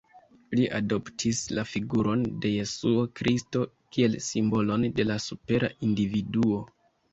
Li adoptis la figuron de Jesuo Kristo kiel simbolon de la supera individuo.